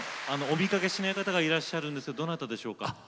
お見かけしない方がいらっしゃるんですがどなたでしょうか？